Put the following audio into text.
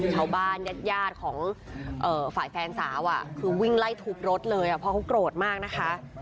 ชาวบ้านญาติหญาติของฝ่ายแฟนสาวอ่ะคือวิ่งไล่ทุกรถเลยอ่ะเพราะเขากลโหดมากนะคะ